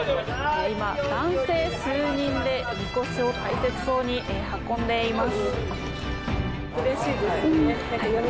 今、男性数人で、みこしを大切そうに運んでいます。